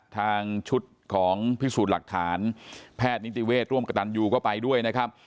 ทางชุดของพิสูจน์หลักฐานแพทย์นิติเวศร่วมกระตันยูก็ไปด้วยนะครับ